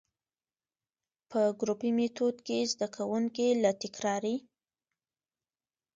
په ګروپي ميتود کي زده کوونکي له تکراري،